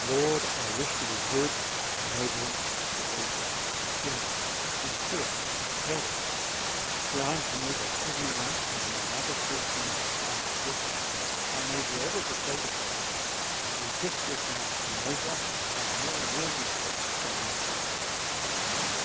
"Lord, I wish to be good, noble, courageous, HOPE 115 gentle, sincere; help me; grant that every night, when my mother gives me her last kiss, I may be able to say to her, 'You kiss this night a nobler and more worthy boy than you kissed last night.'